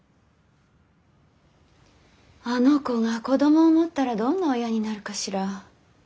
あの子が子供を持ったらどんな親になるかしら。